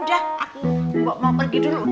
udah aku bok mau pergi dulu